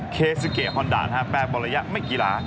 เคสเกฮอนดานะฮะแปรบบริยะไม่กีฬา